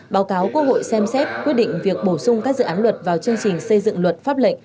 báo cáo quốc hội xem xét quyết định việc bổ sung các dự án luật vào chương trình xây dựng luật pháp lệnh